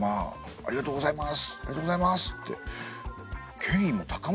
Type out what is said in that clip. ありがとうございます。